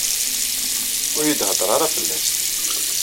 Ur yi-d-hedder ara fell-as.